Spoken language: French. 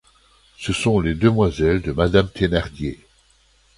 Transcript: Ce sont les demoiselles de madame Thénardier.